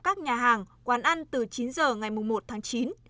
các nhà hàng quán ăn từ chín h ngày một tháng chín